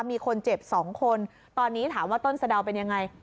มีคนเจ็บ๒คนตอนนี้ถามว่าต้นสะดาวเป็นยังไง